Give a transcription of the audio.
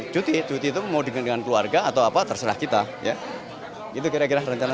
cuti itu mau dengan keluarga atau apa terserah kita